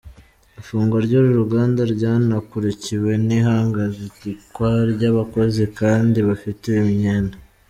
Ifunga ry’uru ruganda ryanakurikiwe n’ihagarikwa ry’abakozi kandi bafitiwe imyenda.